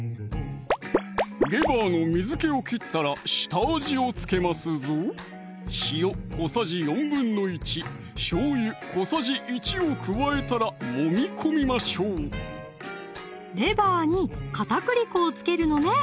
レバーの水気を切ったら下味を付けますぞ塩小さじ１／４しょうゆ小さじ１を加えたらもみ込みましょうレバーに片栗粉を付けるのね